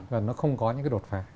và nó không có những cái đột phá